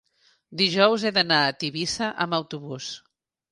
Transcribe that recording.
dijous he d'anar a Tivissa amb autobús.